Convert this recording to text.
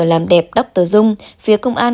làm đẹp dr dung phía công an